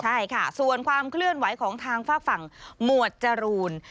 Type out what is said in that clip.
ใช่ค่ะส่วนความเคลื่อนไหวของทางฝากฝั่งหมวดจรูน